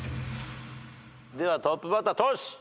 トップバッタートシ。